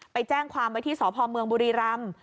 ไปแจ้งความไว้ที่สพเมืองบุรีรำ